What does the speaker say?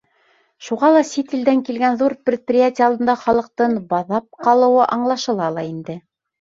Шуға ла сит илдән килгән ҙур предприятие алдында халыҡтың баҙап ҡалыуы аңлашыла ла инде.